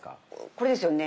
これですよね。